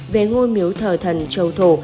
về ngôi miếu thờ thần châu thổ